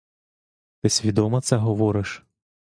Ти свідомо це говориш?